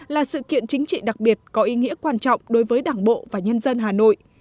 là sự kiện chính trị đặc biệt có ý nghĩa quan trọng đối với đảng bộ và nhân dân hà nội